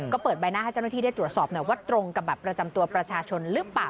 ก็เปิดใบหน้าให้เจ้าหน้าที่ได้ตรวจสอบหน่อยว่าตรงกับบัตรประจำตัวประชาชนหรือเปล่า